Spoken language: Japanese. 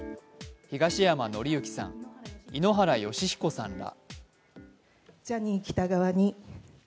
東山紀之さん、井ノ原快彦さんら。